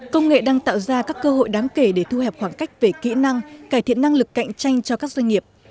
công nghệ đang tạo ra các cơ hội đáng kể để thu hẹp khoảng cách về kỹ năng cải thiện năng lực cạnh tranh cho các doanh nghiệp